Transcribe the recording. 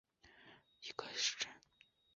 诺伊恩塔尔是德国黑森州的一个市镇。